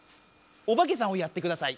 オバケさんをやってください。